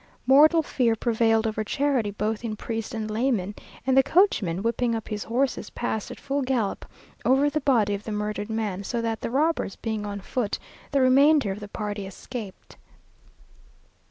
Mortal fear prevailed over charity both in priest and layman, and the coachman, whipping up his horses, passed at full gallop over the body of the murdered man, so that, the robbers being on foot, the remainder of the party escaped.